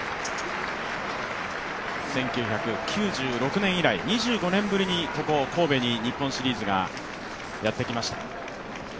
１９９６年以来、２５年ぶりにここ神戸に日本シリーズがやってきました。